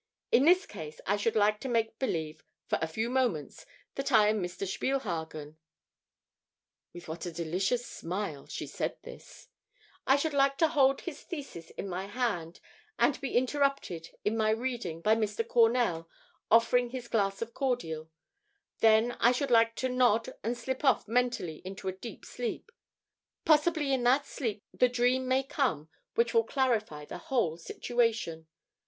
In this case I should like to make believe for a few moments that I am Mr. Spielhagen" (with what a delicious smile she said this) "I should like to hold his thesis in my hand and be interrupted in my reading by Mr. Cornell offering his glass of cordial; then I should like to nod and slip off mentally into a deep sleep. Possibly in that sleep the dream may come which will clarify the whole situation.